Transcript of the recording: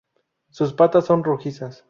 Sus patas son rojizas.